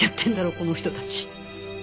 この人たち。